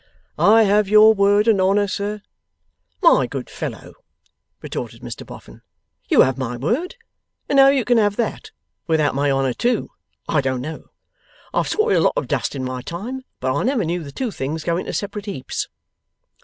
'I have your word and honour, sir?' 'My good fellow,' retorted Mr Boffin, 'you have my word; and how you can have that, without my honour too, I don't know. I've sorted a lot of dust in my time, but I never knew the two things go into separate heaps.